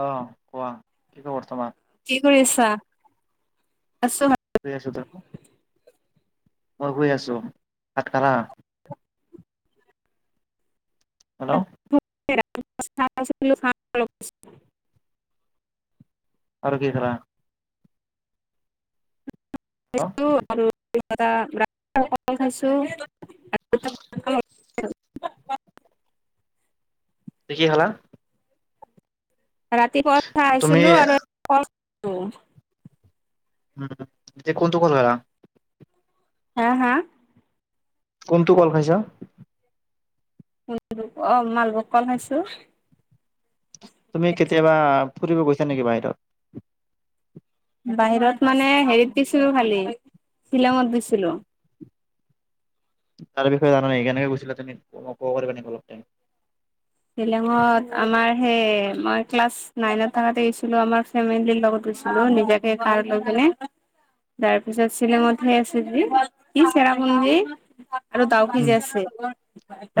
অ কোৱা কি ক বৰ্তমান ছা [inaudible] মই শুই আছো। ভাত খালা? হেল্ল' [unintelligible] আৰু কি খালা? হেল্ল' আৰু খাইছো [unintelligible] [unintelligible] ত কি খালা? ৰাতিপুৱা উ খাই তুমি আছিলো আৰু উম এতিয়া কোনটো [unintelligible] হা হা? কোনটো কল খাইছা? অ মালভুক কল খাইছো। তুমি কেতিয়াবা ফুৰিব গৈছা নেকি বাহিৰত? বাহিৰত মানে হেৰিত গিছিলো খালি শ্বিলঙত গিছিলো। তাৰ বিষয়ে জানে স কেনেকে গৈছিলা তুমি? [unintelligible] শিলঙত আমাৰ সেই মই ক্লাছ নাইনত থকাতে আহছিলো আমাৰ ফেমিলিৰ লগত গৈছিলো। নিজকে কাৰত লৈ কেনে তাৰপিছত শ্বিলংতহে আছে যে কি চেৰাপুঞ্জি আৰু ডাউকী উম যে আছে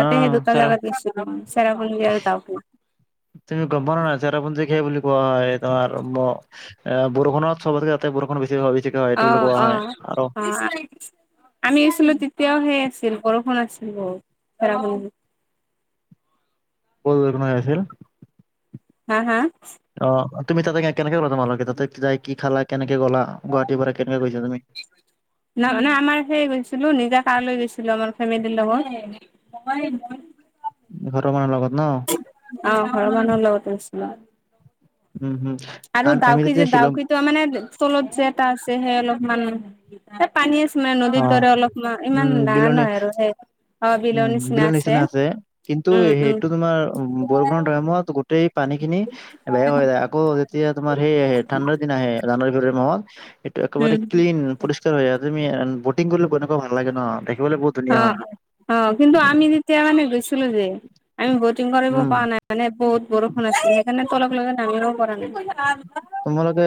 অ সেই দুটা চেৰা জাগাত গেচিলো তুমি গম পোৱা নে নাই চেৰাপুঞ্জীক হেই বুলি কোৱা হয় তোমাৰ বৰষুণত চবতকে তাতে বৰষুণ বেছি বেছিকে হয় এইটো বুলি কোৱা হয় আৰু অহ-অহ-অহ আমি আছিলো তেতিয়াও সেয়ে চিল বৰষুণ আছিল বহুত [unintelligible] [unintelligible] হা- হা অহ, তুমি তাতে কেনেকে [unintelligible] তাতে কি যায় কি খালা কেনে কে গলা গুৱাহাটীৰ পৰা কেনেকে গৈছা তুমি ন মানে আমাৰ সেই গৈছিলো নিজা কাৰ লৈ গৈছিলো আমাৰ ফেমিলীৰ লগত। ঘৰৰ মাহনুৰ লগত ন? আহ ঘৰ মানহৰ লগতে আছিলো। উম- হুম আৰু ডাউকী যে ডাউকী তোও মানে তলত যে এটা আছে যে হে অলপমান হে পানী আছে মে নদীৰ অ', দৰে অলপ ইমান উম, ডাঙাৰ বিলনি নহয় আৰু সেই উম, বিলৰ নিচিনা আছে কিন্তু উম উম সেইটো তোমাৰ বৰষুণৰ টাইমত গোটেই পানী খিনি বেয়া হৈ যায় আকৌ যেতিয়া তোমাৰ সেই আহে ঠাণ্ডাৰ দিন আহে জানুৱাৰী টাইমত এইটো একেবাৰে উম ক্লিন পৰিষ্কাৰ হৈ তুমি বতিং কৰিলে কেনেকুৱা ভাল লাগে ন' দেখিবলৈ বহুত ধুনীয়া হয়। অহ - অহ কিন্তু আমি যেতিয়া মানে গৈছিলো যে আমি বত টিং কৰিব উম, পাৱা নাই মানে বহুত বৰষুণ আছিল সেইকাৰণে তলক লেগি নামিবও পাৰা নাই। তোমালোকে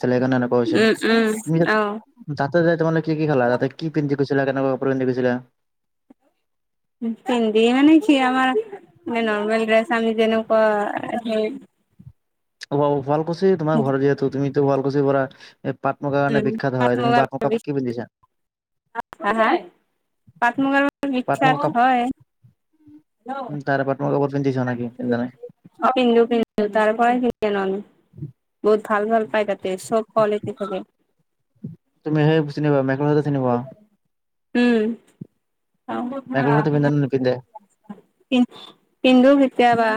সে এনেকুৱা হৈছিল উম, উম, তুমি অ', তাতে যাই তোমালোকে কি- কি খালা তাতে কি পিন্ধি গৈছা ছিলা কেনেকোৱা কাপোৰ পিন্ধি গৈছিলা? পিন্ধি মানে কি আমাৰ নৰ্মেল ড্ৰেছ আমি যেনেকুৱা সেই অহ, শুৱালকুচি তোমাৰ ঘৰত যিহেতু তুমিতো শুৱালকুচিৰ পৰা এই পাট মুগাৰ কাৰণে উম, বিখ্যাত হয় তুমি [unintelligible] কি পিন্ধিছা? হা- হা পাট মুগাৰ বাবে পাট মুগা বিখ্যাত কাপ হয়। উম, তাৰে পাট মুগা কাপোৰ পিন্ধিছা নেকি? পিন্ধা নাই। [unintelligible] [unintelligible] বহুত ভাল- ভাল পাই তাতে চব কোৱালিটী থাকে। তুমি সেই চিনিপোৱা মেখেলা - চাদৰ চিনি পোৱা? উম। মেখেলা -চাদৰ পিন্ধে নে নিপিন্ধে? পিন্ধো কেতিয়াবা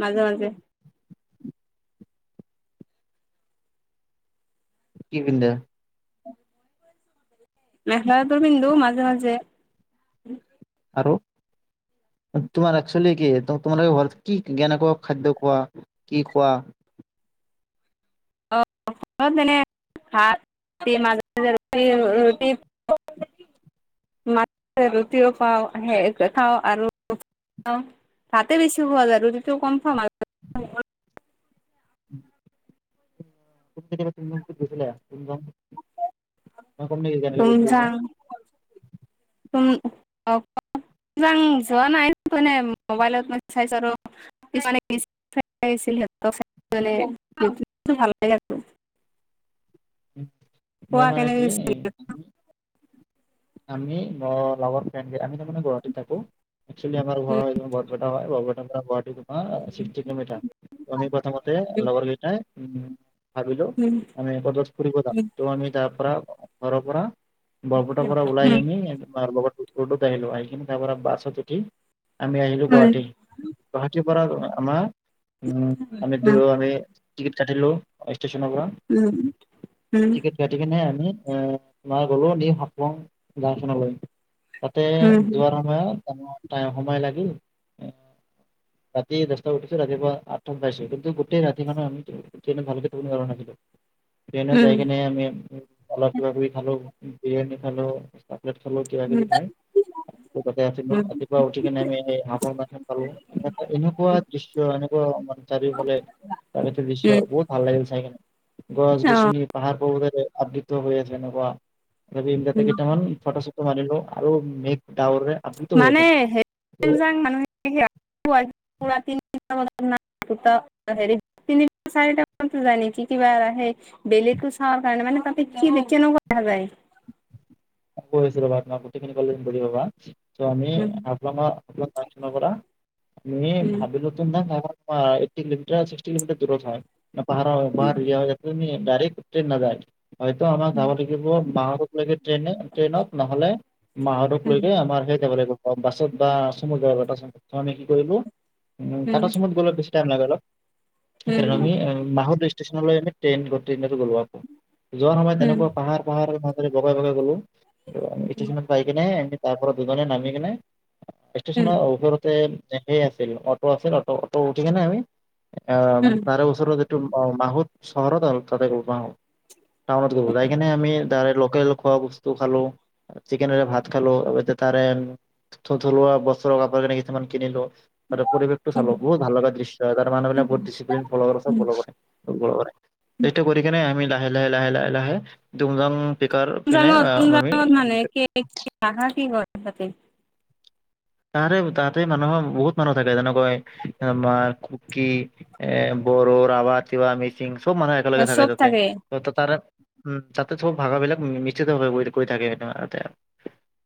মাজে - মাজে। কি পিন্ধা? মেখেলা -চাদৰ পিন্ধো মাজে- মাজে। আৰু তোমাৰ একচুলি কি তোমালোকে ঘৰত কেনেকুৱা খাদ্য খোৱা, কি খোৱা [inaudible] অ' [unintelligible] ৰুটিও পাওঁ সেই খাওঁ আৰু অহ, ভাতে বেছি খোৱা যায় ৰুটিটো কম খাও আৰু [inaudible] [unintelligible] মই কম নেকি কেনেকে গৈছিলোঁ মই। তুমি অ' কোৱা যোৱা নাই কিন্তু এনে মবাইলত মানে চাইছো আৰু [unintelligible] মই কোৱা মানে কেনেকে কি গৈছিল আমি ন' লাভত ফ্ৰেণ্ড গে আমি মানে গুৱাহাটীত থাকো একচুৱেলী আমাৰ ঘৰ এনেও বৰপেটা হয় বৰপেটাৰ পৰা গুৱাহাটী অহ, চিক্সটি কিলোমিটাৰ ত' আমি প্ৰথমতে লগৰ কেইটাই ভাবিলো উম উম আমি একেলগে ফুৰিব যাওঁ ত আমি তাৰ পৰা ঘৰৰ পৰা বৰ পেটাৰ পৰা ওলাই আহি লগৰ ৰডত আহিলো আহিপিনে তাৰ পৰা বাছত উঠি আমি আহিলো উম গুৱাহাটী গুৱাহাটীৰ পৰা আমাৰ উম আমি উম উম উম দুয়ো আমি টিকট কাটিলো ষ্টেচনৰ পৰা উম উম টিকট কাটি কেনে আমি এ মই গ'লো নি শাপং গাঁওখনলৈ তাতে উম যোৱাৰ সময়ত সময় লাগিল ৰাতি দহটাত উঠিছো ৰাতিপুৱা আখটাৰ উঠাইছো কিন্তু গোটেই ৰাতি মানে আমি ট্ৰেইননত ভালকে শুবই নোৱাৰিলো ট্ৰেইনত উম যাইকিনে আমি অলপ কিবাকিবি খালোও বিৰিয়ানি খালো প্লেটখনল কিবাকিবি খায় ৰাতিপুৱাতে আছিলো উম ৰাতিপুৱা উঠি কিনে আমিৰ ম পালো এ এনেকুৱা দৃশ্য চাৰিওফালে প্ৰাকৃতিক দৃশ্য উম বহুত ভাল লাগিল চাইকিনে গছ অ গছনি পাহাৰ পৰ্বতে আবৃত হৈ আছে এনেকোৱা মতে উম কেইটামান ফটো চ টো মাৰিলো আৰু মেঘ ডাৱৰে মানে হে যাং মানুহ প তিনিটা তিনি চাৰি যায় নেকি কিবা আহে বেলিতো চাও কাৰণে মানে তহতি কি বি কেনেকোৱা কৰা যায় [inaudible] কৈ আছো ৰবা তোমাৰ গোটেইখিনি কলে বুজি পাবা এতিয়া' আমি উম পৰা আমি উম ভাবি নতুন ধাক এইটটি কিলোমিটাৰ ছিক্সটি কিলোমিটাৰ দূৰত হয় পাহাৰ বা উম ৰিয়া এখিনি ডাইৰেক্ট ট্ৰেইন নাজায় হয়তো আমাৰ যাবা লাগিব বাৰতা লাগি ট্ৰেইনত ট্ৰেইনত নহলে মাহতক লৈ উম গৈ আমাৰ সে যাব লাগিব বাছত বা চমুত যাব লাগিব চতে কি কৰিলো উম টাটা চমুত গ'লে বেছি টাইম লাগে অলপ সেইকাৰণে আমি উম মাহত ষ্টেচনলৈ আমি ট্ৰেইন গটেইতটো গলো আকো যোৱাৰ সময়ত তেনেকোৱা পাহাৰ পাহাৰ মৰে বগাই বগাই গ'লোঁ গোটেইখিনি পাই কিনে তাৰপৰা দুজনে নামি কিনে উম ষ্টেচনৰ ওচৰত সেই আছিল অটো আছিল অ অটো উঠি কিনে আমি অ উম তাৰে ওচৰতে মাহত চহৰত হ'ল তাতে গাহো টাউনত গ' ওলাই কিনে আমি তাৰে লোকেল খোৱা ব স্তু খালো চিকেনেৰে ভাত খালো অৱশ্যে তাৰে থ থলুৱা বস্ত্ৰ কাপোৰ কানি কেইটামান কিনিলো তাৰে পৰিৱেশটো চালো বহুত ভাল লগা দৃশ্য হয় তাৰ মানুহবিলাক বহুত ডিচিপ্লন ফল চব উম ফল কৰে কৰে সেটো কৰি কিনোই আমি লাহে লাহে লাহে লাহে লাহে টুমযাং পিকাৰ পিনে টোমযাঙত আমি মানে কি ৰাখা কি কৰে সিহতে তাৰে তাতে মানুহৰ বহুত মানুহ থাকে যেনেকৈ মাৰ কুকি এ বড়ো ৰাভা তিৱা মিচিং চব মানুহ একেলগে থাকে তাতে ত তাৰে উম তাতে চব ভাগাবিলাক নিশ্চিত কৰি থাকে এতে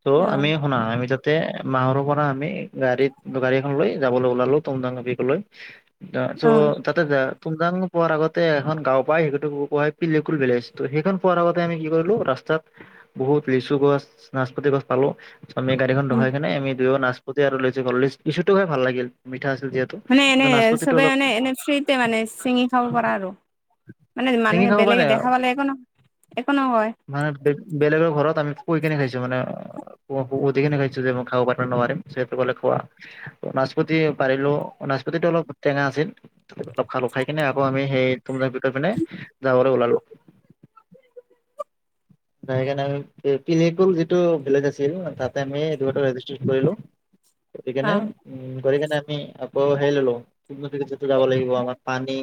ত' অ আমি শুনা আমি তাতে মাহৰ পৰা আমি গাড়ীত গাড়ীখন লৈ যাবলৈ ওলালো টোম টাম [unintelligible] অ চ' তাতে যা তুমজাং পোৱাৰ আগতে এখন গাওঁ পায় সেই পঢাই পিলিকুল ভিলেজ তো সেইখন পোৱাৰ আগতে আমি কি কৰিলো ৰাস্ত তাত বহুত লিচু গছ নাচপতি গছ পালো আমি গাড়ীখন উম ৰখাই কিনে আমি দুইয়ো নাচপতি আৰু লিচু কল লিচ লিচোটো খাই ভাল লাগিল আছিল যিহেতু। মানে এনে কিন্তু নাচপতিটো চবে অলপ মানে এনে ফ্ৰীতে মানে চিঙি খাব পৰা আৰু মানে চিঙি মানুহে খাব পৰা বেলেগে নাই দেখা পালে একো নহয় মানে বেলেগৰ ঘৰত আমি কই কিনে খাইছো মানে সুধি কেনে খাইছো যে মই খাব পাৰিম নে নোৱাৰিম যে তোমালোক খোৱা নাচপতি পাৰিলো নাচপতিটো অলপ টেঙা আছিল অলপ খালো খাই কিনে আকৌ আমি সেই তুমজাং বিক পিনে যাবলৈ ওলালো [unintelligible] আহি কিনে আমি পিলে কোল যিটো ভিলেজ আছিল তাতে আমি ৰেজিষ্টেট কৰিলো গ কেনে কৰি কিনে আমি আকৌ হেৰি ললো ন যাব লাগিব আমাৰ পানী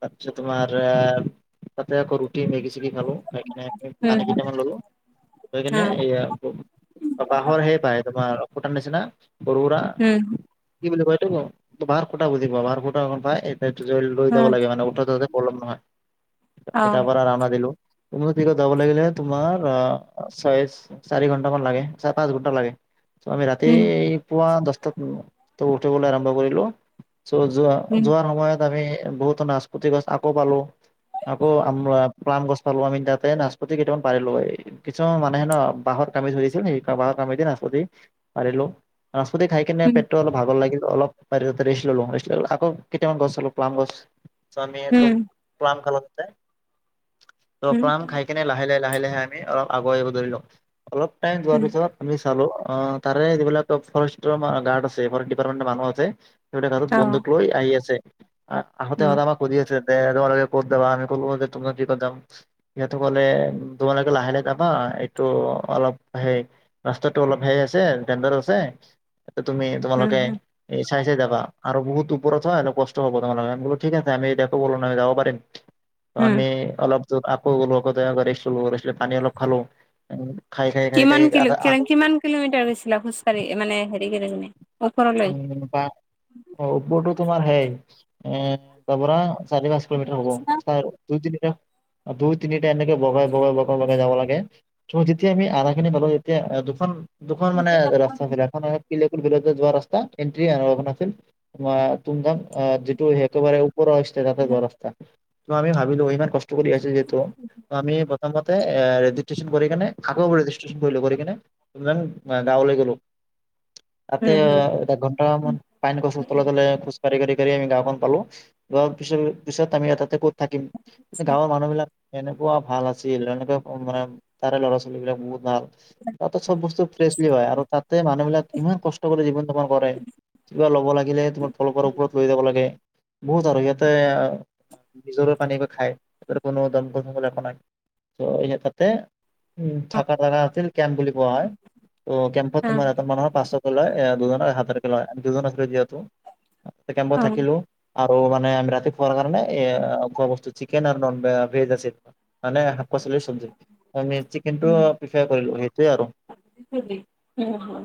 তাৰপিছত তোমাৰ আহ তাতে আকৌ ৰুটি, মেগি চেগি খালো খাই কেনে, পানী কেইটামান ললো কেনে এইয়া বাঁহৰ সে বাহ তোমাৰ পুটাৰ নচিনা সৰু সুৰা কি বুলি কয় এইটোক বাহৰ খুটা বুজি পা বাহৰ খুটা এখন পাই লৈ যাব লাগে মান উঠ বলম নহয় মিঠাপাৰা ৰাউনা দিলো যাব লাগিলে তোমাৰ ছয় চাৰি ঘন্টামান লাগে চাৰে পাঁচ ঘন্টা লাগে। ত আমি ৰাতি পুৱা দছটাত উ উঠিবলৈ আৰম্ভ কৰিলো। চ যোৱা যোৱাৰ সময়ত আমি বহুতো নাচপতি গছ আকৌ পালো আকৌ আম প্লাম গছ পালো আমি তাত তাতে নাচপতি কেইটামান পাৰিলোয়ে কিছুমান মানুহে ন বাহৰ কামি ধৰিছিল সেই বাঁহৰ কামিদি নাচপতি পাৰিলো নাপতি খাই কিনে পেটটো অলপ ভাগৰ লাগিল। অলপ বাৰিতে ৰেচ ললো ৰেচ লওঁ আকৌ কেইটামান গছ চালো প্লাম গছ চমি খুব প্লাম খাল ত' উম প্লাম খাই কিনে লাহে লাহে লাহে লাহে আমি অলপ আগুৱাই আহিব ধৰিলো অলপ টাইম যোৱাৰ উম পিছত আমি চালো অ তাৰে যিবিলাক ফৰেষ্টৰ গাৰ্ড আছে ফৰেষ্ট ডিপাৰ্টমেন্টৰ মানুহ আছে সিহতে [unintelligible] অ বন্দুক লৈ আহি আছে আহোতে উম [unintelligible] মাক সুধি আছে। দে তোমালে কত জাবা আমি কলো যে [unintelligible] যাম। সিহঁতো কলে তোমালোকে লাহে লাহে যাবা এইটো অলপ হেই ৰাস্তা টো অলপ হে আছে ডেন্ডাৰ আছে তুমি উম তোমালোকে উম চাই চাই যাবা আৰু বহুত ওপৰত হয় কষ্ট হব তোমাৰে আম বোলো ঠিক আছে, আমি এতিয়া টো বল নহি যাব পাৰিম। উম আমি অলপ জ আকৌ গলো আকৌ ৰেষ্ট ললো ৰেষ্ট পানী অলপ খালো। খাই খাই খাই খাই কিমান কো আধা আধা কিমান কিলোমিটাৰ গৈছিলা খোজ কাঢ়ি মানে হেৰি কিনে ওপৰলৈ উম বা অ উপৰটো তোমাৰ সেই এ তাৰ পৰা চাৰি পাঁচ কিলোমিটাৰ হ'ব তাৰ দুই তিনি দুই তিনিটা এনেকে বগাই বগাই বগাই বগাই যাব লাগে। ত যেতিয়া আমি আধা খিনি পালো তেতিয়া দুখন দুখন মানে ৰাস্তা ঘ এখন পিলেকোল যোৱা ৰাস্তা এন্ট্ৰি আৰু এখন আছিল তুমা তুমজাং যিটো একেবাৰে ওপৰ [unintelligible] ত আমি ভাবিলো ইমান কষ্ট কষ্ট কৰি আছো যিহেতু আমি প্ৰথমতে এ ষ্টেচন কৰিকেনে আকৌ ৰেজিষ্ট্ৰেচন কৰিলো কৰি এইনে গাঁৱলৈ গলো। তাতে উম অ উম এক ঘন্টা মান পাইন গচৰ তলে তলে খোজ কাঢ়ি কাঢ়ি আমি গাওঁখন পালো গাৱৰ পিছ পিছত আমি এয়াতাতে ক'ত থাকিম গাঁৱৰ মানুহবিলাক এনেকুৱা ভাল আছিল এনেকুৱা মানে তাৰে ল'ৰা ছোৱালী বিলাক বহুত ভাল তাতে চব বস্তু ফ্ৰেচ লিয়া আৰু তাতে মানুহবিলাক ইমান কষ্ট কৰি জীৱন যাপন কৰে কিবা ল'ব লাগিলে তোমাৰ কলৰ ওপৰত লৈ যাব লাগে বহুত আৰু ইয়াতে নিজৰাৰ পানী বা খাই কোনো দমকন সমকল একো নাই। তো এনেতে উম থাকা জাগা আছিল কেম্প বুলি কোৱা হয়। ত কেম্পত অ তমাৰ এজন মানৰ পাঁচ শ কে লয়, দুজন দুজন আছিল যিহেতু, কেম্পত অ থাকিলো। আৰু মানে আমি ৰাতি খোৱাৰ কাৰণে এ খোৱা বস্তু চিকেন আৰু নন ভেজ আচিল। মানে শাক পাচলিৰ চবজি, আমি চিকেনটো প্ৰিফাৰ কৰিলো সেইটোৱে আৰু। উম হুম।